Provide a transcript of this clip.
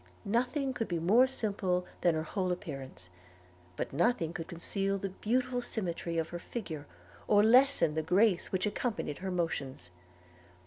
Nothing could be more simple than her whole appearance; but nothing could conceal the beautiful symmetry of her figure, or lessen the grace which accompanied her motions.